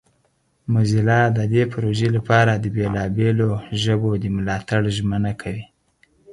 موزیلا د دې پروژې لپاره د بیلابیلو ژبو د ملاتړ ژمنه کوي.